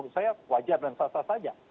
saya wajar dan sasar saja